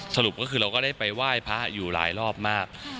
สรุปก็คือเราก็ได้ไปไหว้พระอยู่หลายรอบมาก